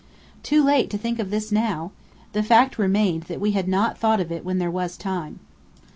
Too late to think of this now! The fact remained that we had not thought of it when there was time.